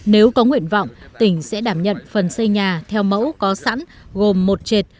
nếu có nguyện vọng tỉnh sẽ đảm nhận phần xây nhà theo mẫu có sẵn gồm một trệt